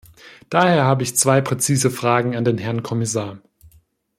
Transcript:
Daher habe ich zwei präzise Fragen an den Herrn Kommissar.